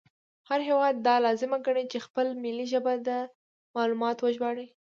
هر هیواد دا لازمه ګڼي چې په خپله ملي ژبه دا معلومات وژباړي